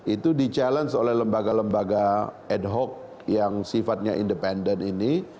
itu di challenge oleh lembaga lembaga ad hoc yang sifatnya independen ini